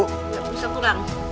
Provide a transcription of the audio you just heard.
gak usah kurang